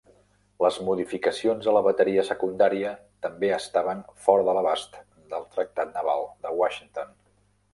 Les modificacions a la bateria secundària també estaven fora de l'abast del Tractat naval de Washington.